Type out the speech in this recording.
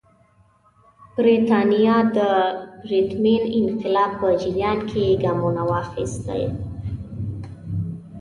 برېټانیا د پرتمین انقلاب په جریان کې ګامونه واخیستل.